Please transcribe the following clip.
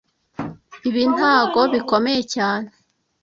Ibi ntago bikomeye cyane